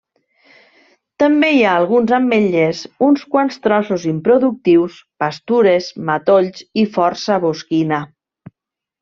També hi ha alguns ametllers, uns quants trossos improductius, pastures, matolls i força bosquina.